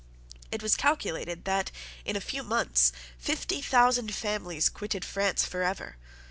It was calculated that, in a few months, fifty thousand families quitted France for ever.